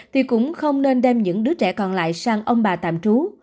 thì cũng không nên đem những đứa trẻ còn lại sang ông bà tạm trú